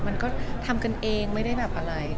มันก็ทำกันเองไม่ได้แบบอะไร